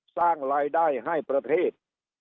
สร้างรายได้ให้ประเทศ